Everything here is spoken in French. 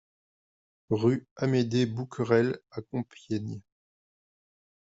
Rue Amédée Bouquerel à Compiègne